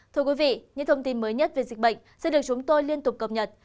thưa quý vị những thông tin mới nhất về dịch bệnh sẽ được chúng tôi liên tục cập nhật